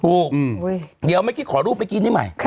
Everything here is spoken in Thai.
ถูกเดี๋ยวเมื่อกี้ขอรูปเมื่อกี้นี่ใหม่